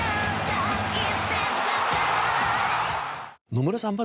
野村さん